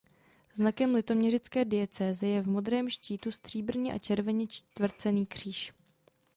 Znakem litoměřické diecéze je v modrém štítu stříbrně a červeně čtvrcený kříž.